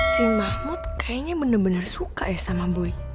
si mahmud kayaknya bener bener suka ya sama boy